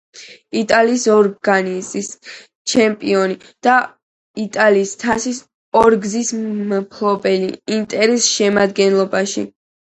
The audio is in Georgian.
იტალიის ორგზის ჩემპიონი და იტალიის თასის ორგზის მფლობელი „ინტერის“ შემადგენლობაში.